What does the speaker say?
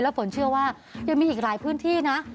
ฝนเชื่อว่ายังมีอีกหลายพื้นที่นะ